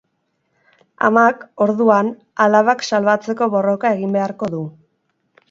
Amak, orduan, alabak salbatzeko borroka egin beharko du.